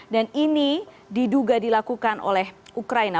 dan ini diduga dilakukan oleh ukraina